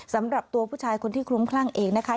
สำหรับตัวผู้ชายคนที่คลุ้มคลั่งเองนะคะ